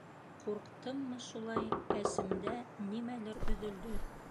Ҡурҡтыммы шулай, әсемдә нимәлер өҙөлдө.